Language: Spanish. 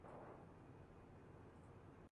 Estaba casado y tenía dos pequeños hijos.